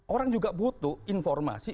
orang juga butuh informasi